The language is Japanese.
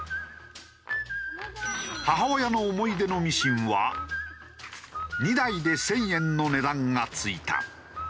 母親の思い出のミシンは２台で１０００円の値段が付いた。